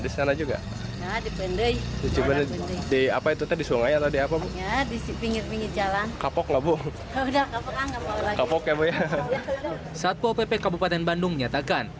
saat soeppol pp kabupaten bandung nyatakan